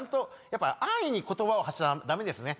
やっぱ安易に言葉を発したらダメですね。